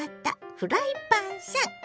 フライパンさん。